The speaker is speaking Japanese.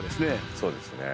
そうですね。